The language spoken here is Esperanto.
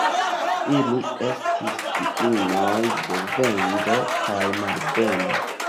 Ili estis diinoj de venĝo kaj malbeno.